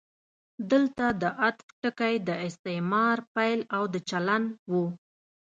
دلته د عطف ټکی د استعمار پیل او د چلند و.